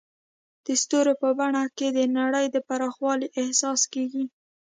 د ستورو په بڼه کې د نړۍ د پراخوالي احساس کېږي.